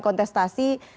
kontestasi ini dan kemudian